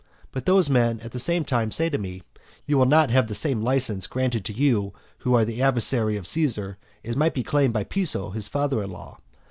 But those men, at the same time, say to me, "You will not have the same licence granted to you who are the adversary of Caesar as might be claimed by Piso his father in law."